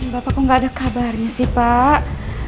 bapak kok nggak ada kabarnya sih pak